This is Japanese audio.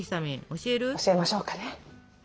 教えましょうかね。